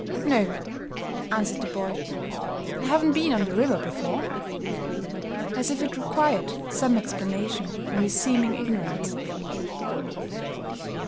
"No," answered the boy. "I haven't been on the river before." As if it required some explanation for his seeming ignorance.